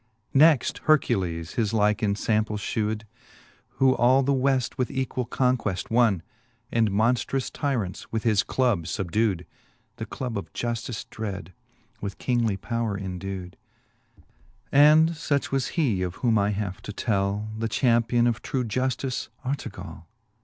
Next Hercules his like enlample fhewed, Who all the Weft with equall conqueft wonne, And monftrous tyrants with his club fubdewed ; The club of Juftice dreadj with kingly powre endewed, III. And fuch was he, of whoin I have to tell, The champion of true Juftice, Artegall.